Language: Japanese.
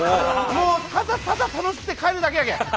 もうただただ楽しくて帰るだけやけん。